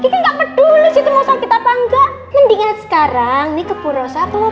tidak peduli situ masa kita panggak mendingan sekarang nih ke purosa kalau